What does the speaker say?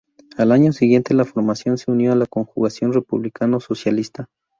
Al año siguiente la formación se unió a la Conjunción Republicano-Socialista.